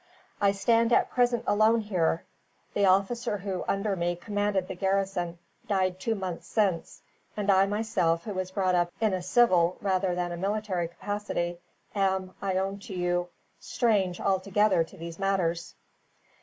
I stand at present alone here. The officer who, under me, commanded the garrison died two months since; and I myself, who was brought up in a civil rather than a military capacity, am, I own to you, strange altogether to these matters."